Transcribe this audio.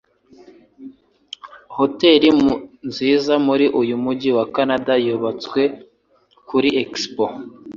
Hotel nziza muri uyu mujyi wa Kanada yubatswe kuri Expo